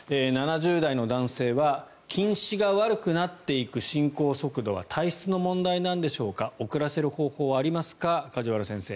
７０代の男性は近視が悪くなっていく進行速度は体質の問題なんでしょうか遅らせる方法はありますか梶原先生